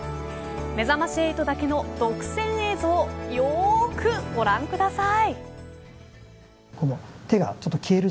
めざまし８だけの独占映像よくご覧ください。